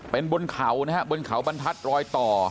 เป็นบนเขานะฮะบนเขาบันทรรอยต่อ